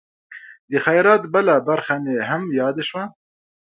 د خیرات بله خبره مې هم یاده شوه.